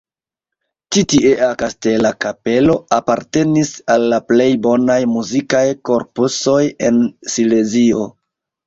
Ĉi tiea kastela kapelo apartenis al la plej bonaj muzikaj korpusoj en Silezio.